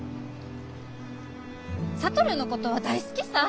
智のことは大好きさ。